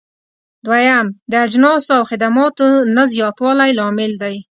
دويم: د اجناسو او خدماتو نه زیاتوالی لامل دی.